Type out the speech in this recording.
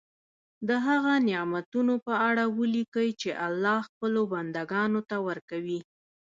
د هغه نعمتونو په اړه ولیکي چې الله خپلو بندګانو ته ورکوي.